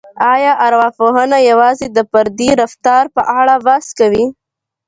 آیا ارواپوهنه یوازې د فردي رفتار په اړه بحث کوي؟